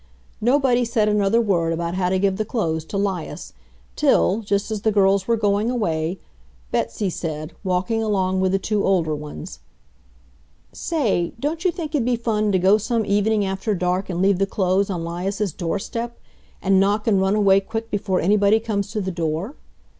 Nobody said another word about how to give the clothes to 'Lias, till, just as the girls were going away, Betsy said, walking along with the two older ones, "Say, don't you think it'd be fun to go some evening after dark and leave the clothes on 'Lias's doorstep, and knock and run away quick before anybody comes to the door?"